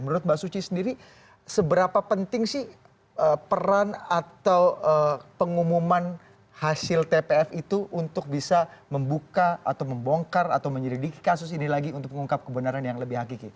menurut mbak suci sendiri seberapa penting sih peran atau pengumuman hasil tpf itu untuk bisa membuka atau membongkar atau menyelidiki kasus ini lagi untuk mengungkap kebenaran yang lebih hakiki